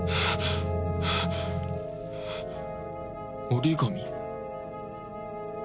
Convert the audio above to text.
折り紙？